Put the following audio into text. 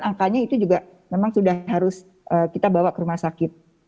angkanya itu juga memang sudah harus kita bawa ke rumah sakit